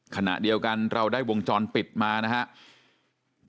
ขณะเดียวกันเราได้วงจรปิดมานะครับ